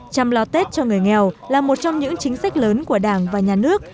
chăm lo tết cho người nghèo là một trong những chính sách lớn của đảng và nhà nước